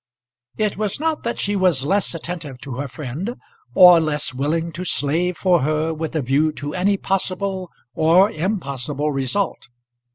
It was not that she was less attentive to her friend, or less willing to slave for her with a view to any possible or impossible result.